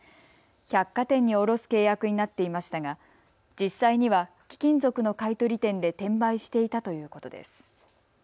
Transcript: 百貨店に卸す契約になっていましたが実際には貴金属の買い取り店で転売していたということです。